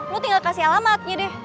lu tinggal kasih alamatnya deh